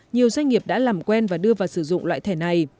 nhiều doanh nghiệp đã làm quen và đưa vào sử dụng loại thẻ này